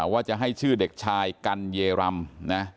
ว่าจะให้ชื่อเด็กชายกัญญารำนะ